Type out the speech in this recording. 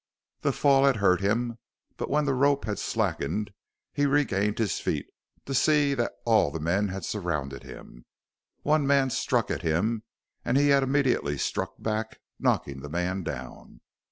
The fall had hurt him, but when the rope had slackened he had regained his feet to see that all the men had surrounded him. One man struck at him and he had immediately struck back, knocking the man down.